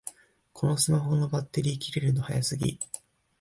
このスマホのバッテリー切れるの早すぎ